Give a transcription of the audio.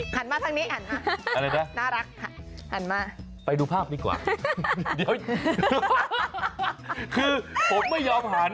หันมาทางนี้หันมาอะไรนะน่ารักค่ะหันมาไปดูภาพดีกว่าเดี๋ยวคือผมไม่ยอมหัน